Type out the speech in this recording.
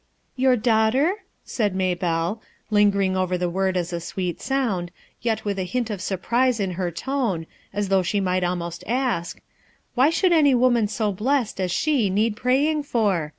"Your daughter?" said Maybelle, lingering over the word as a sweet sound, yet with a hint of surprise in her tone, as though she might almost ask, "Why should any woman so blessed as she need praying for